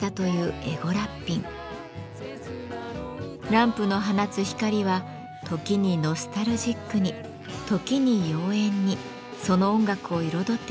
ランプの放つ光は時にノスタルジックに時に妖艶にその音楽を彩ってきました。